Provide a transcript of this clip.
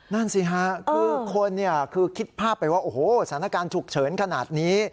นั่นสิฮะคือคนคือคิดภาพไปว่าโอ้โหสถานการณ์ฉุกเฉินขนาดนี้